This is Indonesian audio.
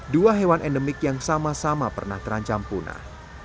dua hewan endemik yang sama sama pernah terancam punah